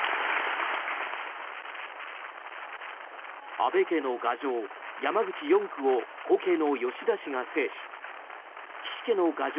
安倍家の牙城・山口４区を後継の吉田氏が制し岸家の牙城